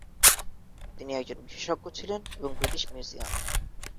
তিনি একজন বিশেষজ্ঞ ছিলেন এবং ব্রিটিশ মিউজিয়াম।